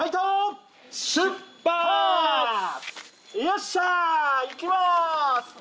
よっしゃ！いきます！